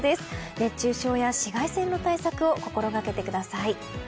熱中症や紫外線の対策を心がけてください。